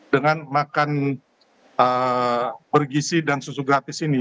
dengan makan bergisi dan susu gratis ini